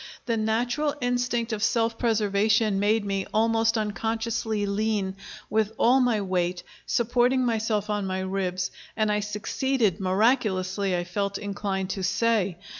The natural instinct of self preservation made me almost unconsciously lean with all my weight, supporting myself on my ribs, and I succeeded miraculously, I felt inclined to say.